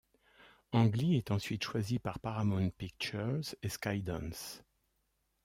Ang Lee est ensuite choisi par Paramount Pictures et Skydance.